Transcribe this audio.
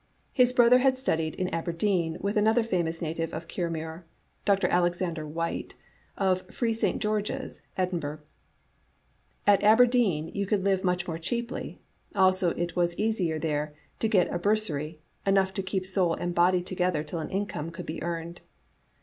His brother had studied in Aberdeen with another famous native of Kirriemuir, Dr. Alexander Whyte, of Free St. George's, Edinburgh, At Aberdeen you could live much more cheaply, also it was easier there to get a bursary, enough to keep soul and body together till an income could be earned.